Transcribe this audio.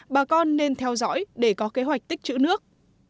bà con nên theo dõi để có kế hoạch tích chữ nước